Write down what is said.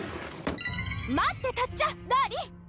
待ってたっちゃダーリン。